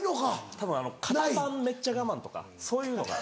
たぶん肩パンめっちゃ我慢とかそういうのが。